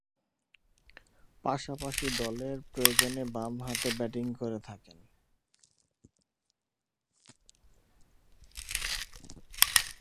পাশাপাশি দলের প্রয়োজনে বামহাতে ব্যাটিং করে থাকেন।